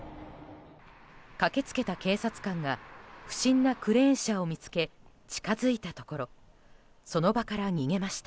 駆けつけた警察官が不審なクレーン車を見つけ近づいたところその場から逃げました。